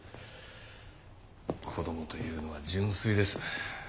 子供というのは純粋です。